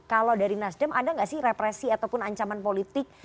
kalau dari nasdem ada nggak sih represi ataupun ancaman politik